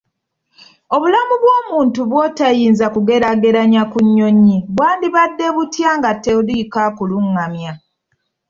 Obulamu bw'omuntu bw'otayinza kugeraageranya ku nnyonyi bwandibadde butya nga toliiko akulungamya?